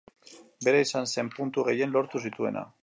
Bera izan zen puntu gehien lortu zituena.